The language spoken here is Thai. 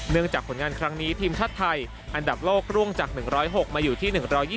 จากผลงานครั้งนี้ทีมชาติไทยอันดับโลกร่วงจาก๑๐๖มาอยู่ที่๑๒๒